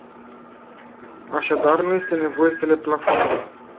Așadar, nu este nevoie să le plafonăm.